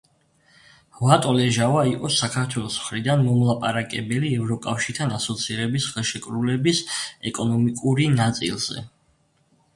ვატო ლეჟავა იყო საქართველოს მხრიდან მომლაპარაკებელი ევროკავშირთან ასოცირების ხელშეკრულების ეკონომიკური ნაწილზე.